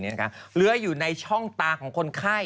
เหลืออยู่ในช่องตาของคนไข้